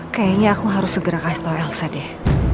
kayaknya aku harus segera kasih tahu elsa deh